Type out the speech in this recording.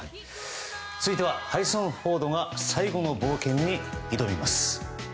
続いては、ハリソン・フォードが最後の冒険に挑みます。